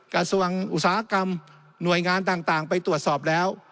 กระทรวงอุตสาหกรรมหน่วยงานต่างไปตรวจสอบแล้ว